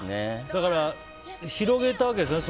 だから広げたわけですよね。